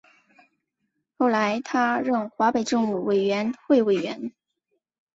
后来他任华北政务委员会委员。